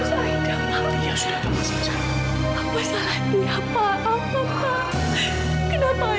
aik tadi culik